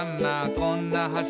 こんな橋」